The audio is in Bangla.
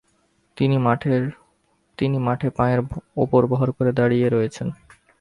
তিনি মাঠে পায়ের উপর ভর করে দাঁড়িয়ে রয়েছেন।